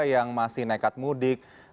yang masih nekat mudik